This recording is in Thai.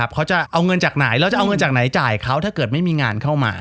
เขาจะเอาเงินจากไหนแล้วจะเอาเงินจากไหนจ่ายเขาถ้าเกิดไม่มีงานเข้ามา